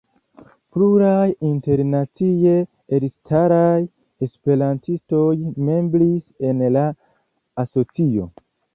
Pluraj internacie elstaraj esperantistoj membris en la asocio.